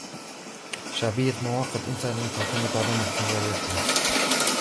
شعبية مواقع الإنترنت تعتمد على محتوياتها.